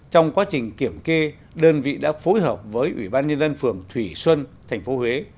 trong quá trình kiểm kê đơn vị đã phối hợp với ủy ban nhân dân phường thủy xuân tp huế